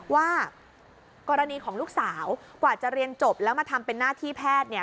ว่ากรณีของลูกสาวกว่าจะเรียนจบแล้วมาทำเป็นหน้าที่แพทย์เนี่ย